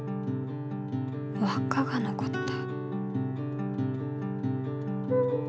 わっかが残った。